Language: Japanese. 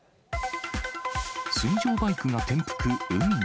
水上バイクが転覆、海に。